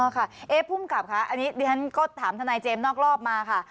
อ๋อค่ะเอฟผู้มันกลับค่ะอันนี้เรียนก็ถามทนายเจมส์นอกรอบมาค่ะ